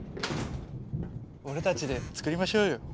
俺たちで作りましょうよ。